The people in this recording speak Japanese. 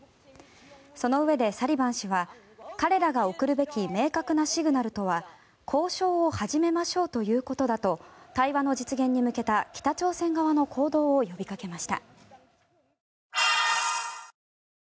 そのうえで、サリバン氏は彼らが送るべき明確なシグナルとは交渉を始めましょうということだと対話の実現に向けた北朝鮮側の行動を呼びかけました。